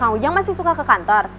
kang ujang masih suka ke kantor